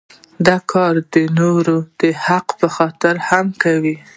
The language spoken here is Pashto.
دا کار د نورو د حق په خاطر هم کوو.